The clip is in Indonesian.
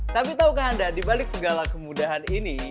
tapi tau gak anda dibalik segala kemudahan ini